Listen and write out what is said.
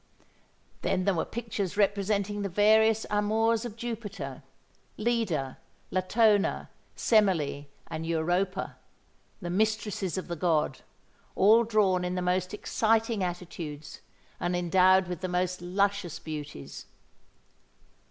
Then there were pictures representing the various amours of Jupiter,—Leda, Latona, Semele, and Europa—the mistresses of the god—all drawn in the most exciting attitudes, and endowed with the most luscious beauties.